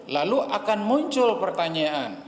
lalu akan muncul pertanyaan